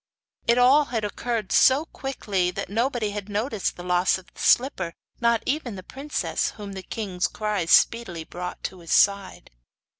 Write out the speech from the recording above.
It had all occurred so quickly that nobody had noticed the loss of the slipper, not even the princess, whom the king's cries speedily brought to his side.